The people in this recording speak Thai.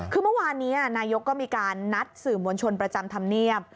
คือเมื่อวานนี้นายกก็มีการนัดสื่อมวลชนประจำธรรมเนียบ